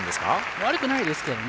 悪くないですけどね。